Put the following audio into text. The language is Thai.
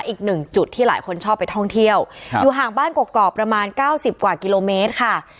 อีกหนึ่งจุดที่หลายคนชอบไปท่องเที่ยวอยู่ห่างบ้านกอกประมาณเก้าสิบกว่ากิโลเมตรค่ะ